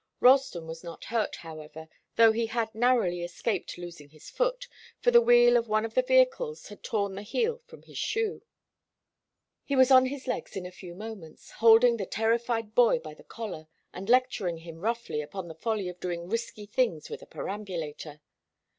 Ralston was not hurt, however, though he had narrowly escaped losing his foot, for the wheel of one of the vehicles had torn the heel from his shoe. He was on his legs in a few moments, holding the terrified boy by the collar, and lecturing him roughly upon the folly of doing risky things with a perambulator.